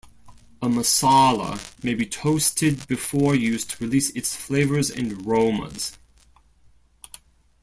A masala may be toasted before use to release its flavours and aromas.